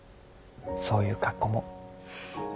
そういう格好も。